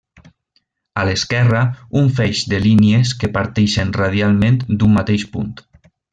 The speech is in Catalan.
A l'esquerra, un feix de línies que parteixen radialment d'un mateix punt.